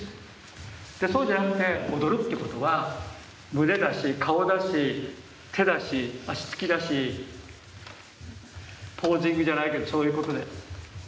そうじゃなくて踊るってことは胸だし顔だし手だし足つきだしポージングじゃないけどそういうことで。